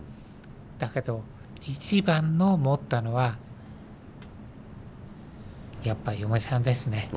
だけど一番の持ったのはやっぱ嫁さんですね。